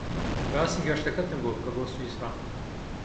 باسی گەشتەکەتم بۆ بکە بۆ سویسرا.